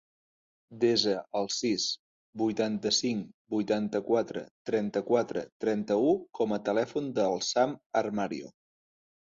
Desa el sis, vuitanta-cinc, vuitanta-quatre, trenta-quatre, trenta-u com a telèfon del Sam Armario.